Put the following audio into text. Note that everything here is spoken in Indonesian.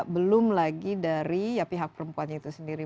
belum lagi dari pihak perempuan itu sendiri